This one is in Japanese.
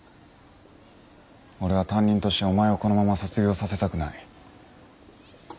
俺は担任としてお前をこのまま卒業させたくない。